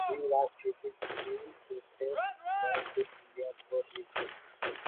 He was keeping them to take back to India for his wife.